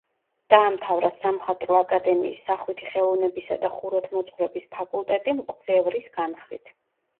დაამთავრა სამხატვრო აკადემიის სახვითი ხელოვნებისა და ხუროთმოძღვრების ფაკულტეტი მკვლევრის განხრით.